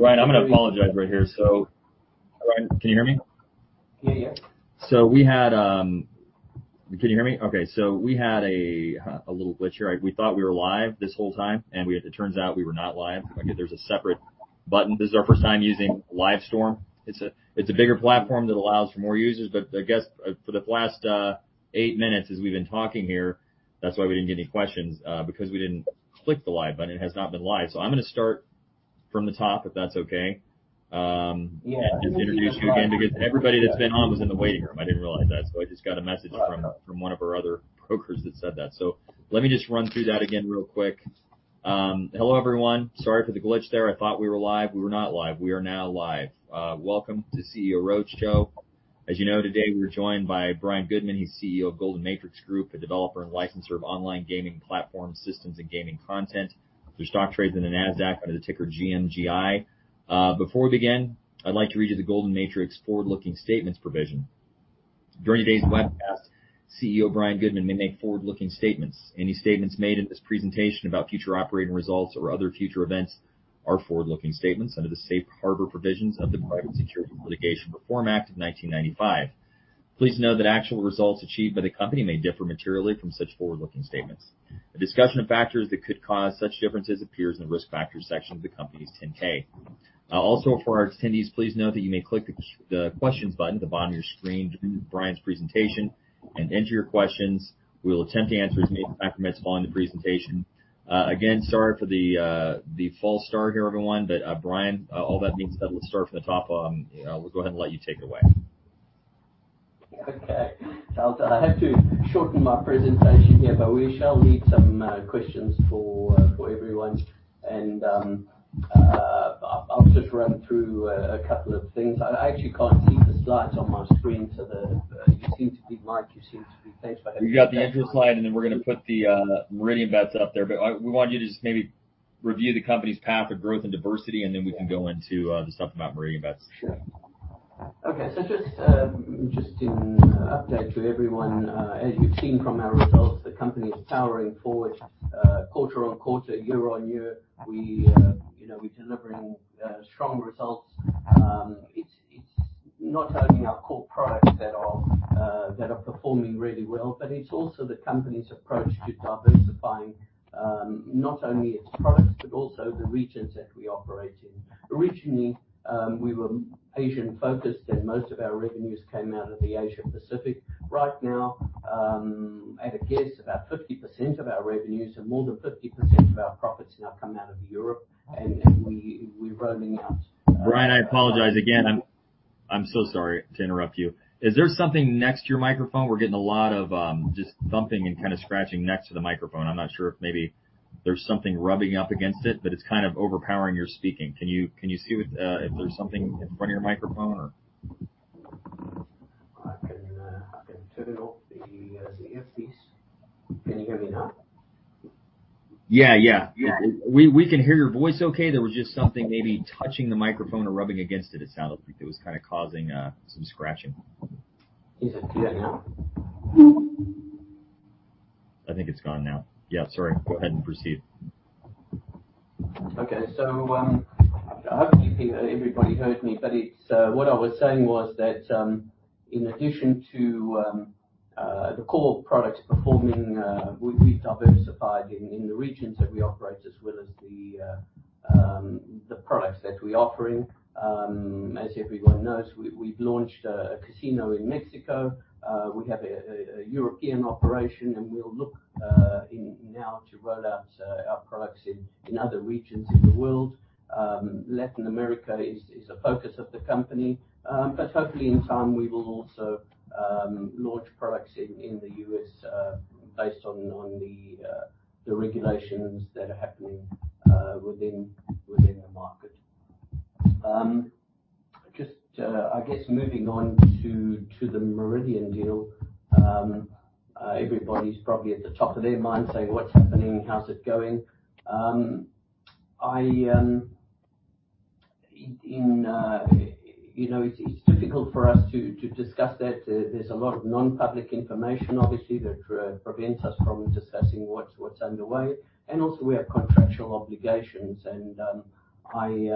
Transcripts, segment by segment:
Brian, I'm gonna apologize right here. Brian, can you hear me? Yeah, yeah. Can you hear me? Okay. We had a little glitch here. We thought we were live this whole time, and it turns out we were not live. There's a separate button. This is our first time using Livestorm. It's a bigger platform that allows for more users. I guess for the last 8 minutes as we've been talking here, that's why we didn't get any questions because we didn't click the live button. It has not been live. I'm gonna start from the top, if that's okay. Yeah. Just introduce you again, because everybody that's been on was in the waiting room. I didn't realize that. I just got a message from one of our other brokers that said that. Let me just run through that again real quick. Hello, everyone. Sorry for the glitch there. I thought we were live. We were not live. We are now live. Welcome to CEORoadshow. As you know, today we are joined by Brian Goodman, he's CEO of Golden Matrix Group, a developer and licenser of online gaming platform systems and gaming content. Their stock trades in the Nasdaq under the ticker GMGI. Before we begin, I'd like to read you the Golden Matrix forward-looking statements provision. During today's webcast, CEO Brian Goodman may make forward-looking statements. Any statements made in this presentation about future operating results or other future events are forward-looking statements under the safe harbor provisions of the Private Securities Litigation Reform Act of 1995. Please note that actual results achieved by the company may differ materially from such forward-looking statements. A discussion of factors that could cause such differences appears in the Risk Factors section of the company's 10-K. Also for our attendees, please note that you may click the questions button at the bottom of your screen during Brian's presentation and enter your questions. We will attempt to answer as many as I can respond to presentation. Again, sorry for the false start here, everyone, but Brian, all that means is that we'll start from the top. We'll go ahead and let you take it away. Okay. I'll have to shorten my presentation here, but we shall leave some questions for everyone. I'll just run through a couple of things. I actually can't see the slides on my screen, so you seem to be mic. We've got the intro slide, and then we're gonna put the Meridianbet up there. We want you to just maybe review the company's path of growth and diversity, and then we can go into the stuff about Meridianbet. Sure. Okay. Just an update to everyone, as you've seen from our results, the company is powering forward, quarter on quarter, year on year. We, you know, we're delivering strong results. It's not only our core products that are performing really well, but it's also the company's approach to diversifying not only its products but also the regions that we operate in. Originally, we were Asian-focused, and most of our revenues came out of the Asia Pacific. Right now, at a guess, about 50% of our revenues and more than 50% of our profits now come out of Europe, and we're rolling out- Brian, I apologize again. I'm so sorry to interrupt you. Is there something next to your microphone? We're getting a lot of, just thumping and kind of scratching next to the microphone. I'm not sure if maybe there's something rubbing up against it, but it's kind of overpowering your speaking. Can you see what if there's something in front of your microphone or? I can turn off the CF piece. Can you hear me now? Yeah, yeah. Yeah. We can hear your voice okay. There was just something maybe touching the microphone or rubbing against it. It sounded like it was kinda causing some scratching. Is it clear now? I think it's gone now. Yeah, sorry. Go ahead and proceed. Okay. Hopefully everybody heard me, but what I was saying was that in addition to the core products performing, we've diversified in the regions that we operate as well as the products that we're offering. As everyone knows, we've launched a casino in Mexico. We have a European operation, and we'll look in now to roll out our products in other regions in the world. Latin America is a focus of the company. Hopefully in time we will also launch products in the U.S., based on the regulations that are happening within the market. just, I guess moving on to the Meridian deal, everybody's probably at the top of their mind saying, "What's happening? How's it going?" I, in, you know, it's difficult for us to discuss that. There's a lot of non-public information, obviously, that prevents us from discussing what's underway. Also we have contractual obligations. I,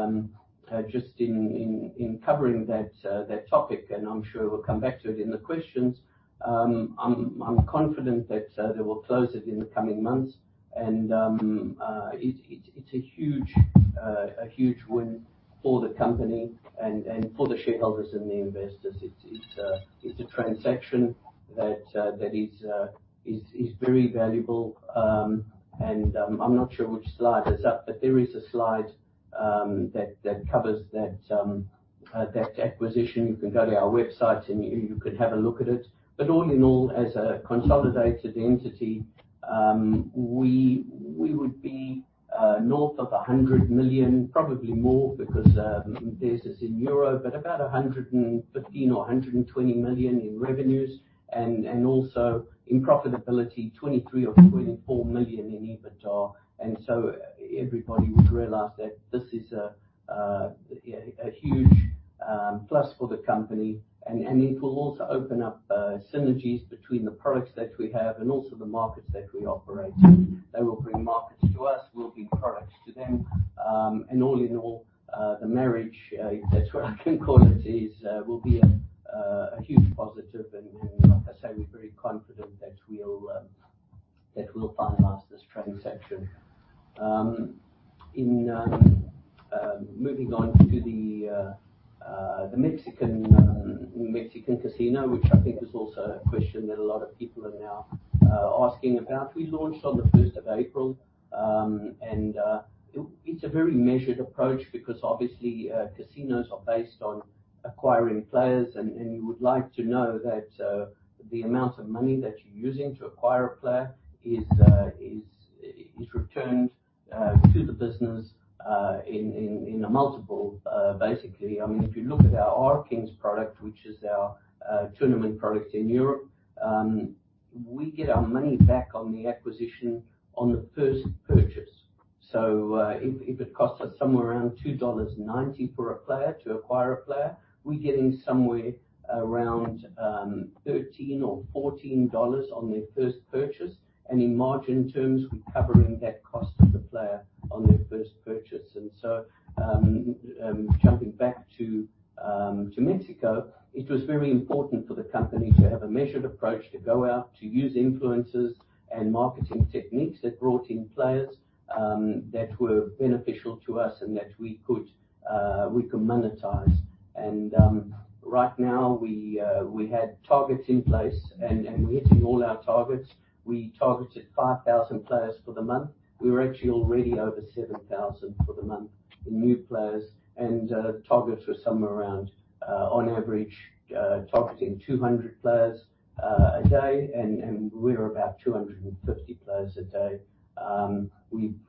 just in covering that topic, and I'm sure we'll come back to it in the questions, I'm confident that they will close it in the coming months. It's a huge win for the company and for the shareholders and the investors. It's a transaction that is very valuable. I'm not sure which slide is up, but there is a slide that covers that acquisition. You can go to our website and you can have a look at it. All in all, as a consolidated entity, we would be north of 100 million, probably more because this is in euro, but about 115 million-120 million in revenues, and also in profitability, 23 million-24 million in EBITDA. Everybody would realize that this is a huge plus for the company. It will also open up synergies between the products that we have and also the markets that we operate in. They will bring markets to us, we'll bring products to them. All in all, the marriage, that's what I can call it, will be a huge positive. Like I say, we're very confident that we'll finalize this transaction. Moving on to the Mexican casino, which I think is also a question that a lot of people are now asking about. We launched on the 1st of April, and it's a very measured approach because obviously, casinos are based on acquiring players, and you would like to know that the amount of money that you're using to acquire a player is returned to the business in a multiple, basically. I mean, if you look at our RKings product, which is our tournament product in Europe, we get our money back on the acquisition on the first purchase. If it costs us somewhere around $2.90 for a player to acquire a player, we're getting somewhere around $13 or $14 on their first purchase. In margin terms, we're covering that cost of the player on their first purchase. Jumping back to Mexico, it was very important for the company to have a measured approach to go out, to use influencers and marketing techniques that brought in players that were beneficial to us and that we could monetize. Right now we had targets in place and we're hitting all our targets. We targeted 5,000 players for the month. We're actually already over 7,000 for the month in new players. Targets were somewhere around on average targeting 200 players a day. We're about 250 players a day.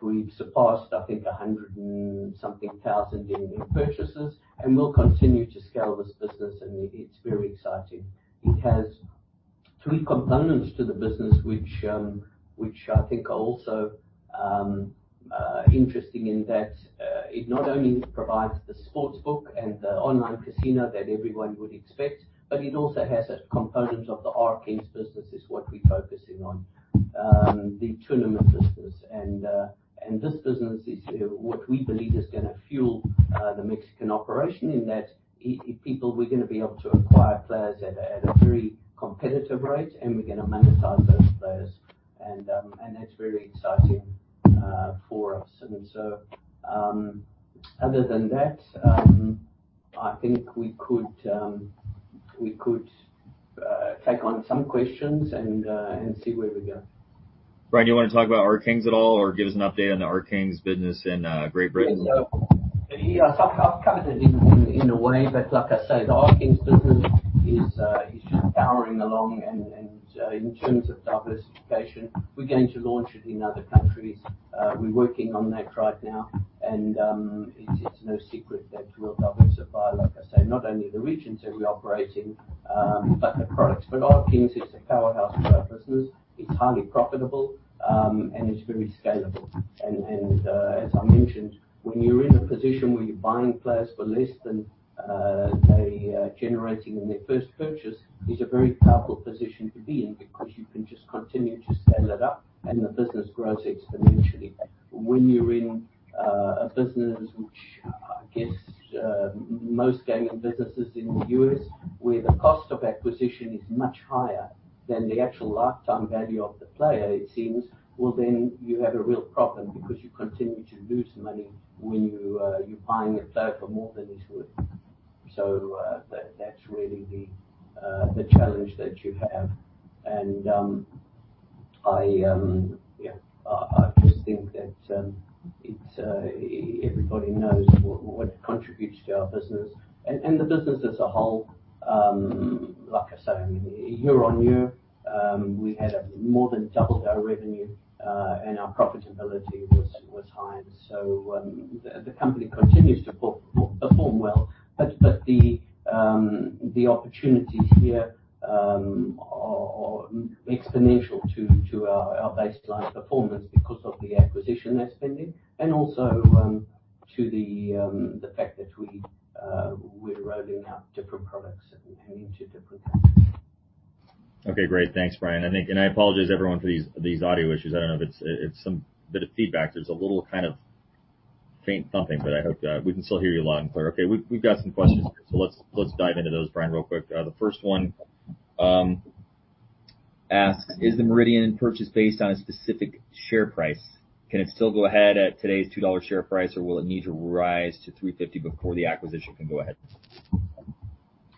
We've surpassed, I think a hundred and something thousand in purchases, and we'll continue to scale this business, and it's very exciting. It has three components to the business which I think are also interesting in that it not only provides the sports book and the online casino that everyone would expect, but it also has a component of the RKings business is what we're focusing on, the tournament business. This business is what we believe is gonna fuel the Mexican operation in people we're gonna be able to acquire players at a very competitive rate, and we're gonna monetize those players. That's very exciting for us. Other than that, I think we could take on some questions and see where we go. Brian, do you wanna talk about RKings at all or give us an update on the RKings business in Great Britain? Yeah, I've covered it in, in a way, but like I say, the RKings business is just powering along. In terms of diversification, we're going to launch it in other countries. We're working on that right now. It's, it's no secret that we'll diversify, like I say, not only the regions that we operate in, but the products. RKings is a powerhouse for our business. It's highly profitable, and it's very scalable. As I mentioned, when you're in a position where you're buying players for less than they are generating in their first purchase, it's a very powerful position to be in because you can just continue to scale it up and the business grows exponentially. When you're in a business which I guess most gaming businesses in the US, where the cost of acquisition is much higher than the actual lifetime value of the player, it seems, well, then you have a real problem because you continue to lose money when you're buying a player for more than he's worth. That's really the challenge that you have. I just think that it's everybody knows what contributes to our business. The business as a whole, like I say, I mean, year-on-year, we had more than doubled our revenue and our profitability was high. The company continues to perform well, but the opportunities here are exponential to our baseline performance because of the acquisition they're spending and also, to the fact that we're rolling out different products and into different countries. Okay, great. Thanks, Brian. I think I apologize everyone for these audio issues. I don't know if it's some bit of feedback. There's a little kind of faint thumping, but I hope we can still hear you loud and clear. Okay, we've got some questions here. Let's dive into those, Brian, real quick. The first one asks, "Is the Meridian purchase based on a specific share price? Can it still go ahead at today's $2 share price, or will it need to rise to $3.50 before the acquisition can go ahead?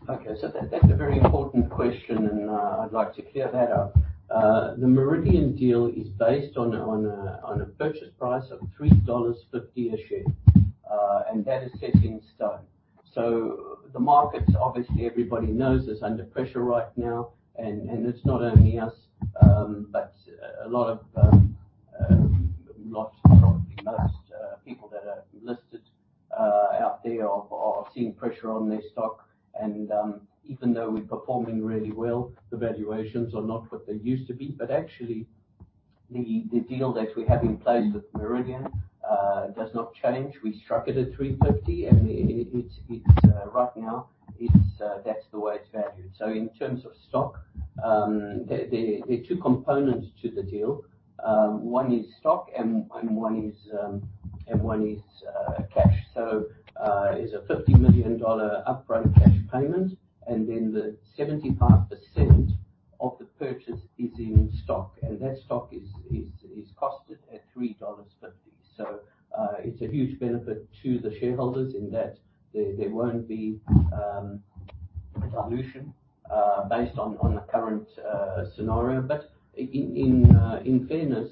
Okay. That's a very important question. I'd like to clear that up. The Meridian deal is based on a purchase price of $3.50 a share, and that is set in stone. The markets, obviously, everybody knows, is under pressure right now. It's not only us, but a lot of, not probably most, people that are listed out there are seeing pressure on their stock. Even though we're performing really well, the valuations are not what they used to be. Actually, the deal that we have in place with Meridian does not change. We struck it at $3.50, and it's right now, that's the way it's valued. In terms of stock, the two components to the deal. One is stock and one is cash. It's a $50 million upfront cash payment, and then the 75% of the purchase is in stock, and that stock is costed at $3.50. It's a huge benefit to the shareholders in that there won't be dilution based on the current scenario. In fairness,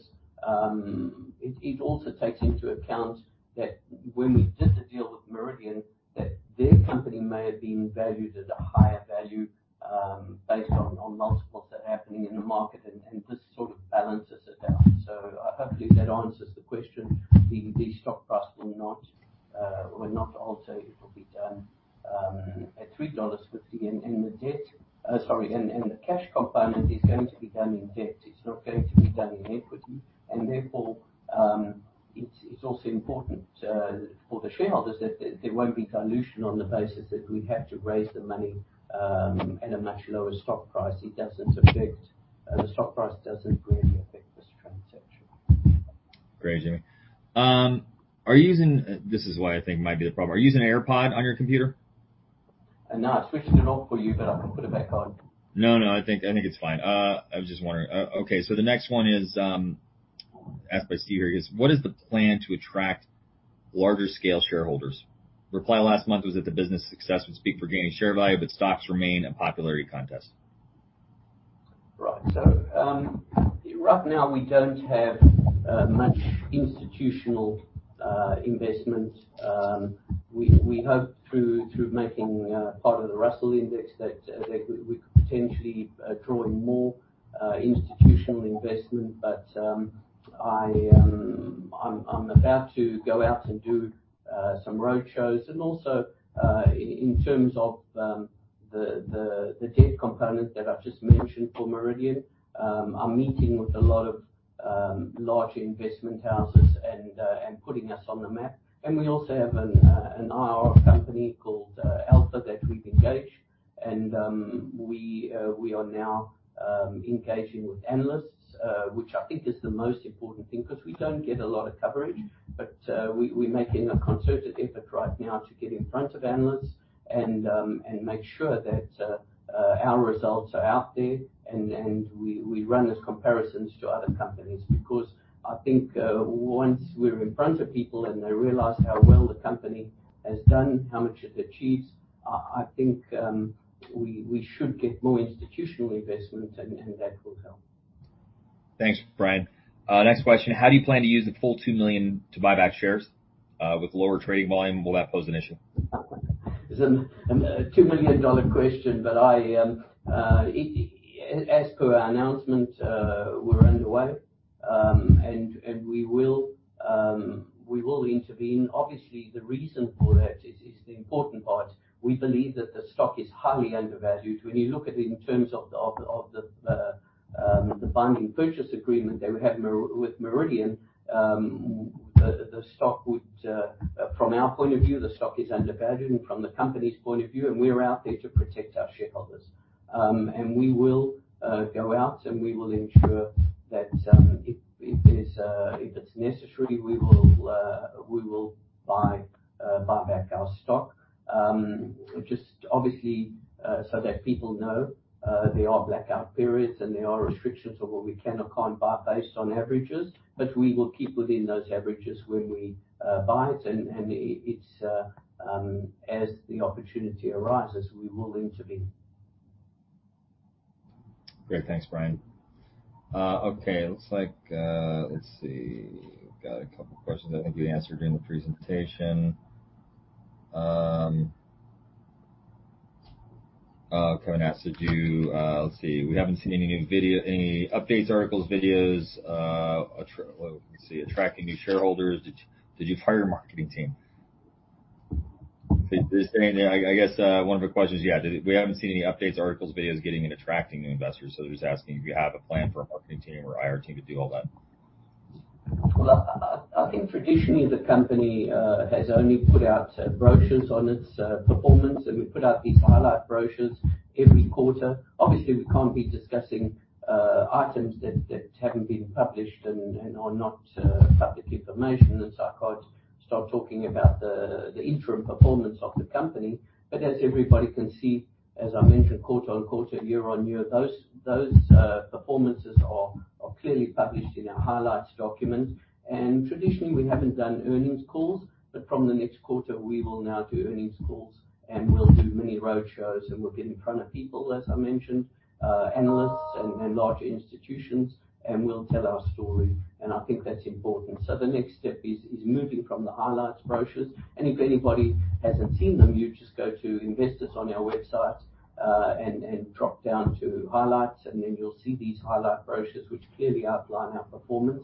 it also takes into account that when we did the deal with Meridian, that their company may have been valued at a higher value based on multiples that are happening in the market, and this sort of balances it out. Hopefully that answers the question. The stock price will not alter. It will be done at $3.50. The debt... sorry, and the cash component is going to be done in debt. It's not going to be done in equity. Therefore, it's also important for the shareholders that there won't be dilution on the basis that we have to raise the money at a much lower stock price. The stock price doesn't really affect this transaction. Great, Jamie. This is why I think it might be the problem. Are you using AirPod on your computer? No. I've switched it off for you, but I can put it back on. No, no, I think, I think it's fine. I was just wondering. Okay. The next one is asked by Steve here. He goes, "What is the plan to attract larger scale shareholders? Reply last month was that the business success would speak for gaining share value, but stocks remain a popularity contest. Right now we don't have much institutional investment. We hope through making part of the Russell Index that we could potentially draw in more institutional investment. I'm about to go out and do some roadshows. Also, in terms of the debt component that I've just mentioned for Meridian, I'm meeting with a lot of large investment houses and putting us on the map. We also have an IR company called Alpha that we've engaged, and we are now engaging with analysts, which I think is the most important thing, 'cause we don't get a lot of coverage. We're making a concerted effort right now to get in front of analysts and make sure that our results are out there and we run those comparisons to other companies. I think once we're in front of people and they realize how well the company has done, how much it achieves, I think we should get more institutional investment, and that will help. Thanks, Brian. Next question: How do you plan to use the full $2 million to buy back shares? With lower trading volume, will that pose an issue? It's a $2 million question. As per our announcement, we're underway. We will intervene. Obviously, the reason for that is the important part. We believe that the stock is highly undervalued. When you look at in terms of the binding purchase agreement that we have with Meridian, the stock would from our point of view, the stock is undervalued and from the company's point of view, and we're out there to protect our shareholders. We will go out, and we will ensure that if there's, if it's necessary, we will buy back our stock. Just obviously, so that people know, there are blackout periods, and there are restrictions on what we can or can't buy based on averages. We will keep within those averages when we buy it and it's, as the opportunity arises, we will intervene. Great. Thanks, Brian. Okay. It looks like, let's see. Got a couple questions I think you answered during the presentation. Kevin asked, did you, let's see. We haven't seen any new video, any updates, articles, videos. Attracting new shareholders. Did you hire a marketing team? Is there anything? I guess, one of the questions, yeah, we haven't seen any updates, articles, videos getting and attracting new investors. They're just asking if you have a plan for a marketing team or IR team to do all that. I think traditionally the company has only put out brochures on its performance, and we put out these highlight brochures every quarter. Obviously, we can't be discussing items that haven't been published and are not public information. I can't start talking about the interim performance of the company. As everybody can see, as I mentioned quarter-on-quarter, year-on-year, those performances are clearly published in our highlights document. Traditionally, we haven't done earnings calls, but from the next quarter, we will now do earnings calls and we'll do mini roadshows, and we'll get in front of people, as I mentioned, analysts and large institutions, and we'll tell our story, and I think that's important. The next step is moving from the highlights brochures. If anybody hasn't seen them, you just go to Investors on our website, drop down to Highlights, and then you'll see these highlight brochures, which clearly outline our performance.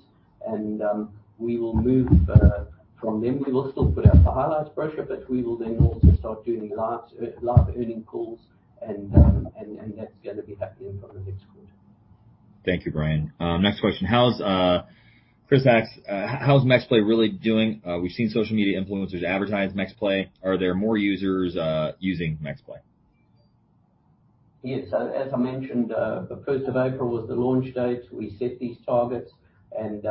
We will move from them. We will still put out the highlights brochure, but we will then also start doing live earnings calls and that's gonna be happening from the next quarter. Thank you, Brian. Next question. How's Chris asks, "How's MexPlay really doing? We've seen social media influencers advertise MexPlay. Are there more users, using MexPlay? Yes. As I mentioned, the first of April was the launch date. We set these targets and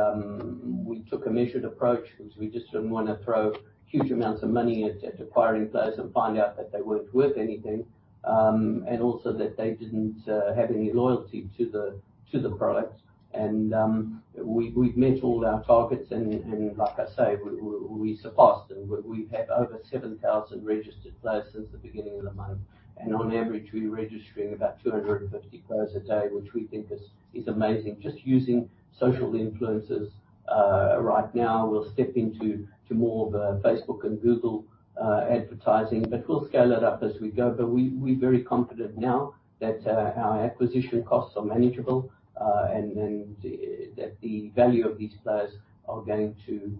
we took a measured approach because we just didn't wanna throw huge amounts of money at acquiring players and find out that they weren't worth anything. Also that they didn't have any loyalty to the product. We've met all our targets and like I say, we surpassed them. We have over 7,000 registered players since the beginning of the month. On average, we're registering about 250 players a day, which we think is amazing. Just using social influencers right now. We'll step into more of a Facebook and Google advertising, but we'll scale it up as we go. We're very confident now that our acquisition costs are manageable, and that the value of these players are going to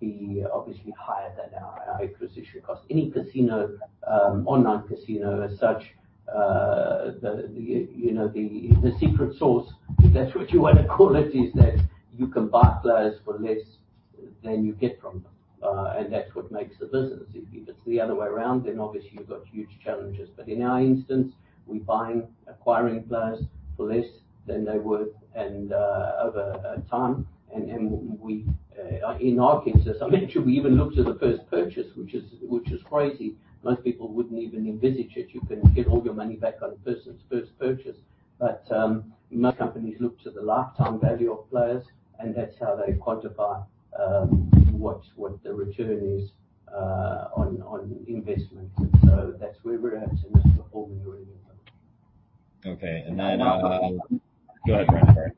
be obviously higher than our acquisition cost. Any casino, online casino as such, you know, the secret source, if that's what you wanna call it, is that you can buy players for less than you get from them. That's what makes the business. If it's the other way around, then obviously you've got huge challenges. In our instance, we're acquiring players for less than they're worth and over a time. We, in our case, as I mentioned, we even looked at the first purchase, which is crazy. Most people wouldn't even envisage it. You can get all your money back on a person's first purchase. Most companies look to the lifetime value of players, and that's how they quantify what the return is on investment. That's where we're at and performing really well. Okay. Go ahead, Brian, sorry.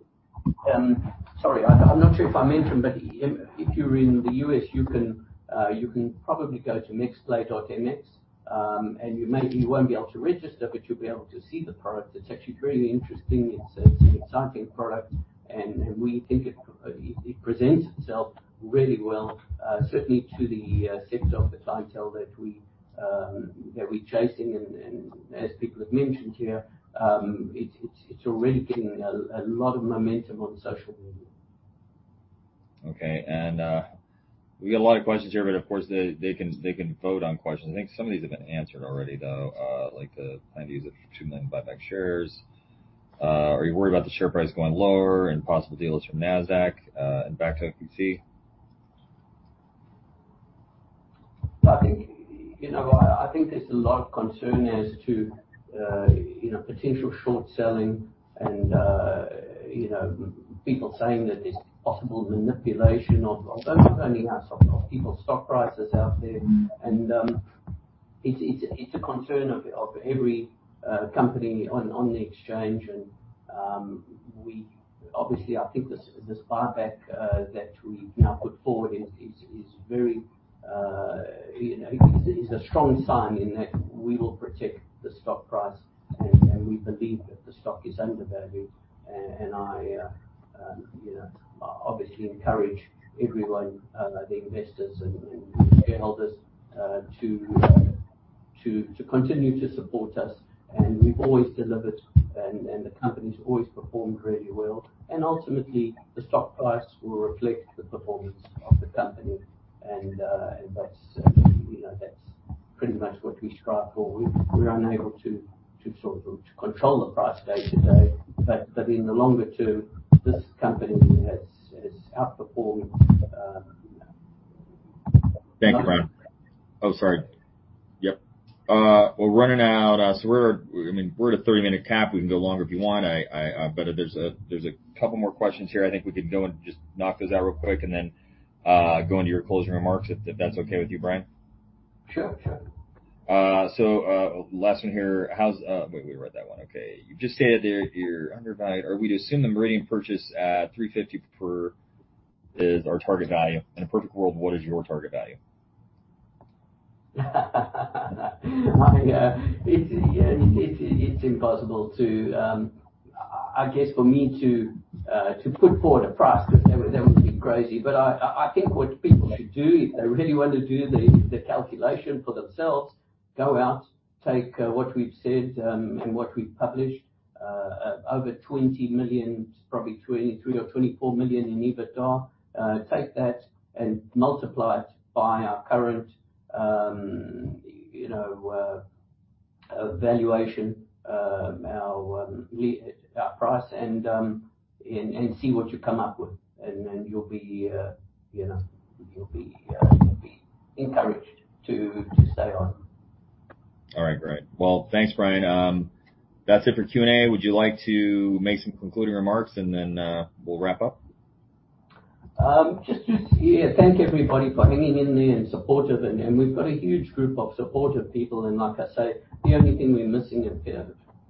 Sorry. I'm not sure if I mentioned, but if you're in the U.S., you can probably go to mexplay.mx. You maybe won't be able to register, but you'll be able to see the product. It's actually really interesting. It's an exciting product, and we think it presents itself really well, certainly to the sector of the clientele that we're chasing. As people have mentioned here, it's already getting a lot of momentum on social media. Okay. We got a lot of questions here, but of course they can vote on questions. I think some of these have been answered already though. Like the plan to use it for 2 million buyback shares. Are you worried about the share price going lower and possible deals from Nasdaq and back to OTC? I think, you know, I think there's a lot of concern as to potential short selling and, you know, people saying that there's possible manipulation of not only us, of people's stock prices out there. It's a concern of every company on the exchange. We obviously I think this buyback that we now put forward is very is a strong sign in that we will protect the stock price. We believe that the stock is undervalued. I obviously encourage everyone, the investors and shareholders, to continue to support us. We've always delivered and the company's always performed really well. Ultimately the stock price will reflect the performance of the company. That's, you know, that's pretty much what we strive for. We're unable to sort of control the price day to day. In the longer term, this company has outperformed. Thank you, Brian. Oh, sorry. Yep, we're running out. We're, I mean, we're at a 30-minute cap. We can go longer if you want. I, but there's a couple more questions here. I think we can go and just knock those out real quick and then, go into your closing remarks, if that's okay with you, Brian? Sure. Sure. Last one here. How's... Wait, let me read that one. Okay. You just stated that you're undervalued. Are we to assume the Meridian purchase at $3.50 per is our target value? In a perfect world, what is your target value? I, it's impossible to, I guess for me to put forward a price because that would, that would be crazy. I think what people should do if they really want to do the calculation for themselves, go out, take what we've said and what we've published, over $20 million, probably $23 million or $24 million in EBITDA, take that and multiply it by our current, you know, valuation, our price and see what you come up with. You'll be, you know, you'll be encouraged to stay on. All right. Great. Well, thanks, Brian. That's it for Q&A. Would you like to make some concluding remarks and then, we'll wrap up? Just to, yeah, thank everybody for hanging in there and supportive. We've got a huge group of supportive people. Like I say, the only thing we're missing are, you know,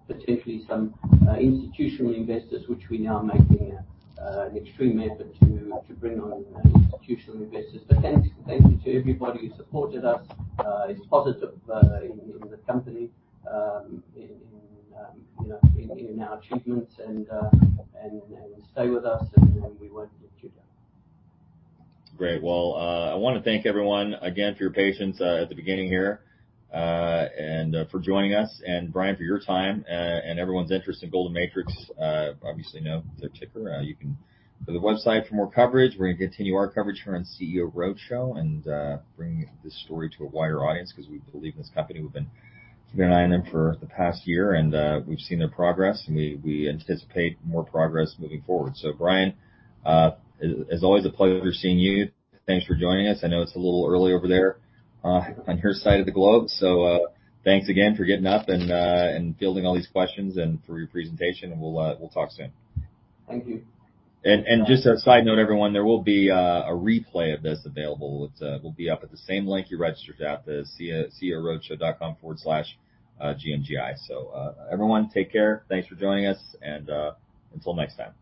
potentially some institutional investors, which we now are making an extreme effort to bring on institutional investors. Thanks, thank you to everybody who supported us, is positive in the company, in, you know, in our achievements and stay with us and we won't let you down. Great. Well, I wanna thank everyone again for your patience at the beginning here, and for joining us. Brian, for your time, and everyone's interest in Golden Matrix, obviously know their ticker. You can go to the website for more coverage. We're gonna continue our coverage here on CEORoadshow and bring this story to a wider audience because we believe in this company. We've been an eye on them for the past year and we've seen their progress and we anticipate more progress moving forward. Brian, as always a pleasure seeing you. Thanks for joining us. I know it's a little early over there on your side of the globe. Thanks again for getting up and fielding all these questions and for your presentation, and we'll talk soon. Thank you. Just a side note, everyone, there will be a replay of this available. It will be up at the same link you registered at, the CEORoadShow.com/GMGI. Everyone, take care. Thanks for joining us, and until next time.